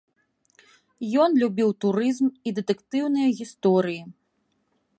Ён любіў турызм і дэтэктыўныя гісторыі.